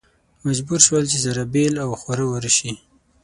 مجبور شول چې سره بېل او خواره واره شي.